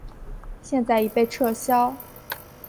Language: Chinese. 现已被撤销。